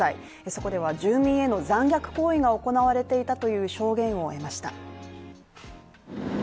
そこでは住民への残虐行為が行われていたという証言を得ました。